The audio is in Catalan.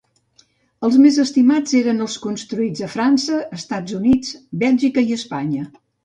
Els més estimats eren els construïts a França, Estats Units, Bèlgica i Espanya.